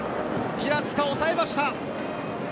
平塚、抑えました！